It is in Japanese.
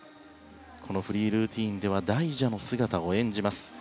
このフリールーティンでは大蛇の姿を演じます。